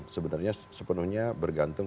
sebenarnya sepenuhnya bergantung